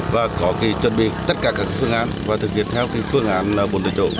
và có khi chuẩn bị tất cả các phương án và thực hiện theo phương án bổn tự chủ